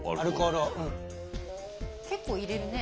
結構入れるね。